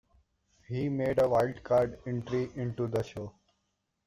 He made a wild card entry into the show.